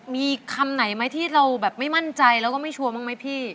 มีคำไหนไหมที่เราแบบไม่มั่นใจแล้วก็ไม่ชัวร์บ้างไหมพี่